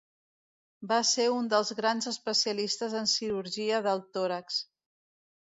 Va ser un dels grans especialistes en cirurgia del tòrax.